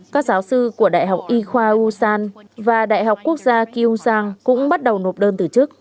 các giáo sư của đại học y khoa u san và đại học quốc gia kiêng sang cũng bắt đầu nộp đơn từ chức